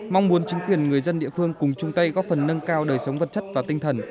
mong muốn chính quyền người dân địa phương cùng chung tay góp phần nâng cao đời sống vật chất và tinh thần